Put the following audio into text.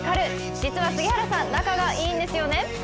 実は、杉原さん仲がいいんですよね？